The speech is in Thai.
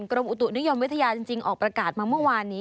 กรมอุตุนิยมวิทยาจริงออกประกาศมาเมื่อวานนี้